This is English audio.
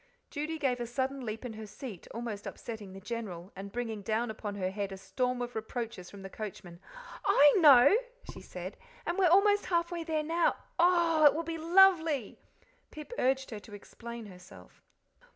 Judy gave a sudden leap in her seat, almost upsetting the General, and bringing down upon her head a storm of reproaches from the coachman. "I know!" she said; "and we're almost halfway there now. Oh h h! it will be lovely." Pip urged her to explain herself.